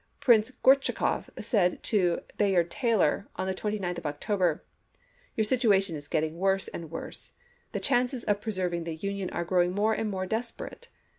Prince Gortschakoff said to Bayard Taylor on the 29th of October :" Your situation is getting worse and worse; the chances of preserving the Union are gi'owing more and more desperate.